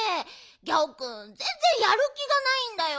ギャオくんぜんぜんやるきがないんだよ。